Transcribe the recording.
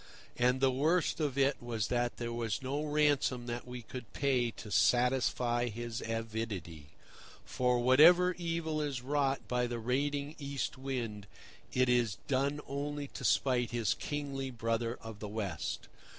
And the worst of it was that there was no ransom that we could pay to satisfy his avidity; for whatever evil is wrought by the raiding East Wind, it is done only to spite his kingly brother of the West.